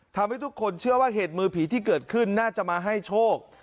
ทำให้ทุกคนเชื่อว่าเหตุมือผีที่เกิดขึ้นน่าจะมาให้โชค